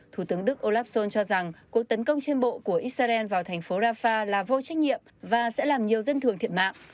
thủ tướng đức olaf schol cho rằng cuộc tấn công trên bộ của israel vào thành phố rafah là vô trách nhiệm và sẽ làm nhiều dân thường thiệt mạng